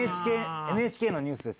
「ＮＨＫのニュースです」